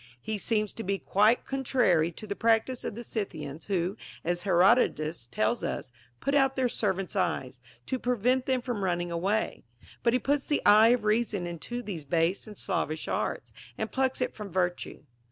He seems to be quite contrary to the practice of the Scythians, Avho, as Herodotus * tells us, put out their servants' eyes, to prevent them from running away ; but he puts the eye of reason into these base and slavish arts, and plucks it from virtue.